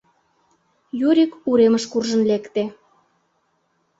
Юрик уремыш куржын лекте.